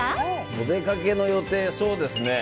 お出かけの予定そうですね